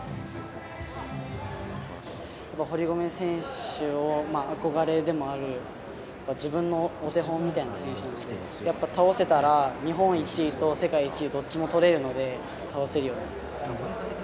堀米選手はあこがれでもある、自分のお手本みたいな選手なので、やっぱ倒せたら、日本一と世界一どっちもとれるので、倒せるように頑張りたい。